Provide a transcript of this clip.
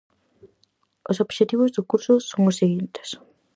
Os obxectivos do curso son os seguintes: